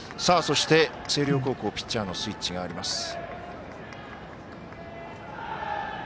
そして、星稜高校ピッチャーのスイッチがあります。